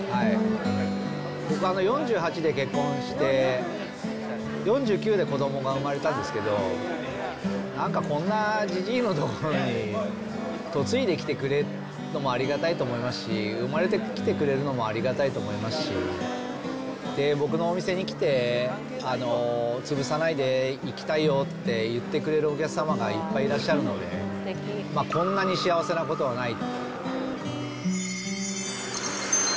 僕、４８で結婚して、４９で子どもが生まれたんですけど、なんかこんなじじいのところに嫁いできてくれるのもありがたいと思いますし、生まれてきてくれるのもありがたいと思いますし、僕のお店に来て、潰さないで、行きたいよって言ってくださるお客様がいっぱいいらっしゃるので、こんなに幸せなことはない。